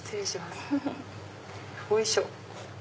よいしょ。